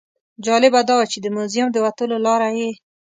جالبه دا وه چې د موزیم د وتلو لاره یې.